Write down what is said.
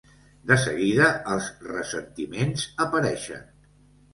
De seguida els ressentiments apareixen.